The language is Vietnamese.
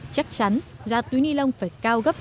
chắc chắn giá túi ni lông phải cao gấp